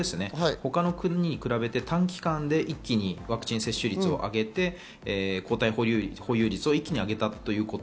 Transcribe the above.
他の国に比べて短期間で一気にワクチン接種率を上げて抗体保有率を一気に上げたということ。